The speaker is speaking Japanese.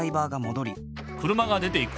車が出ていく。